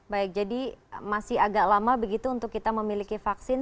baik jadi masih agak lama begitu untuk kita memiliki vaksin